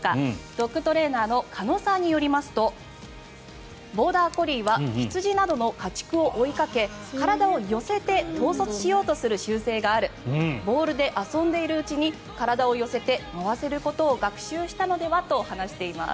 ドッグトレーナーの鹿野さんによりますとボーダー・コリーは羊などの家畜を追いかけ体を寄せて統率しようとする習性があるボウルで遊んでいるうちに体を寄せて回せることを学習したのではと話しています。